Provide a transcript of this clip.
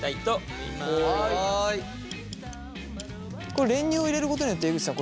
これ練乳を入れることによって江口さん